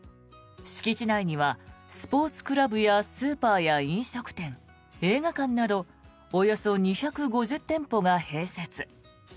敷地内にはスポーツクラブやスーパーや飲食店映画館などおよそ２５０店舗が併設。